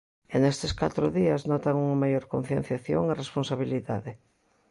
E nestes catro días notan unha maior concienciación e responsabilidade.